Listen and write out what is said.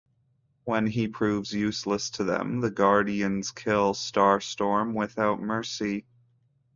When he proves useless to them, the Guardians kill Starstorm without mercy.